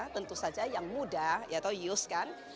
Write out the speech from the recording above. tentu saja yang muda